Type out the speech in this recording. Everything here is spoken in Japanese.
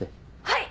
はい！